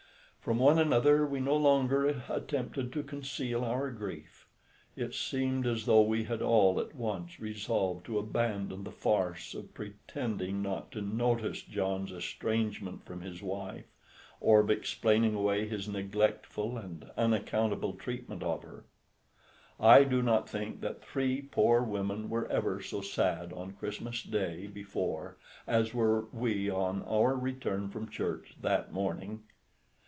From one another we no longer attempted to conceal our grief. It seemed as though we had all at once resolved to abandon the farce of pretending not to notice John's estrangement from his wife, or of explaining away his neglectful and unaccountable treatment of her. I do not think that three poor women were ever so sad on Christmas Day before as were we on our return from church that morning.